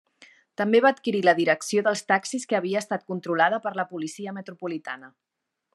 També va adquirir la direcció dels taxis que havia estat controlada per la policia metropolitana.